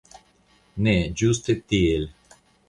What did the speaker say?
Ne, ĝuste tiel.